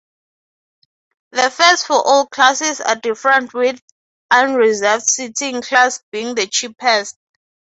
The fares for all classes are different with unreserved seating class being the cheapest.